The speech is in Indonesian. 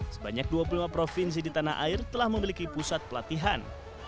sebanyak dua puluh lima provinsi di tanah air telah memiliki pusat pelatihan